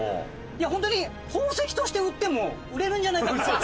ホントに宝石として売っても売れるんじゃないかってくらい。